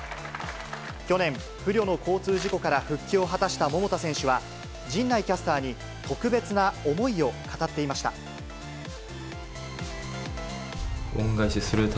去年、不慮の交通事故から復帰を果たした桃田選手は、陣内キャスターに特別な思いを語っていました。